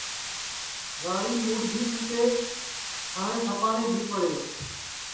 راڑیم مُڈؔ بھی پھُٹے تھاٹؔے تھپاٹؔے بھی پڑے